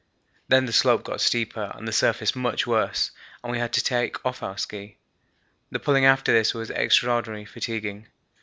Then the slope got steeper and the surface much worse, and we had to take off our ski. The pulling after this was extraordinarily fatiguing.